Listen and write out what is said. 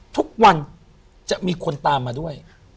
ทุกวันจะมีคนตามมาด้วย